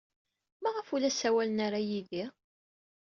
Maɣef ur la ssawalen ara yid-i?